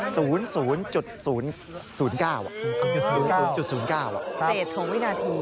เตรียดของวินาที